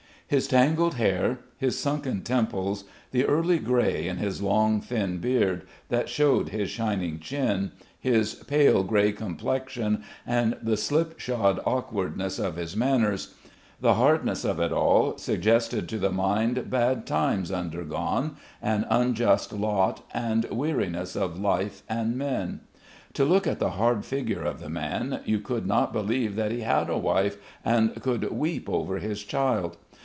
His tangled hair, his sunken temples, the early grey in his long thin beard, that showed his shining chin, his pale grey complexion and the slipshod awkwardness of his manners the hardness of it all suggested to the mind bad times undergone, an unjust lot and weariness of life and men. To look at the hard figure of the man, you could not believe that he had a wife and could weep over his child.